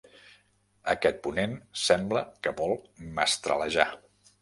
Aquest ponent sembla que vol mestralejar.